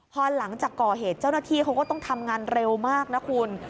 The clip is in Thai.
พอหลังจากก่อเหตุเจ้าหน้าที่เขาก็ต้องทำงานเร็วมากนะคุณ